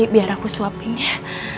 biar aku suapin ya